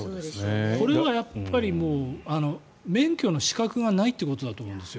これは免許の資格がないということだと思うんです。